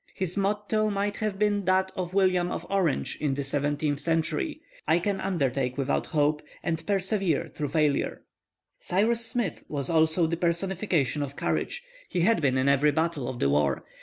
His motto might have been that of William of Orange in the XVIIth century—"I can undertake without hope, and persevere through failure." Cyrus Smith was also the personification of courage. He had been in every battle of the war.